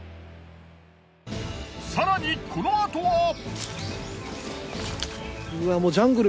更にこのあとは。